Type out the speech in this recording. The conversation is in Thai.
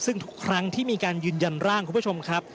ซึ่งทุกครั้งที่มีการยืนยันร่างคุณผู้ชมครับ